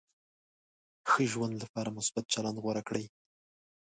ښه ژوند لپاره مثبت چلند غوره کړئ.